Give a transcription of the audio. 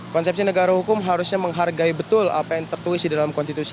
konsepsi negara hukum harusnya menghargai betul apa yang tertuisi dalam konstitusi